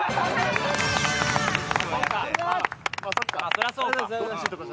そりゃそうか。